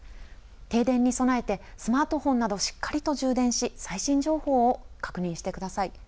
停電に備えてスマートフォンなどしっかりと充電し最新情報を確認してください。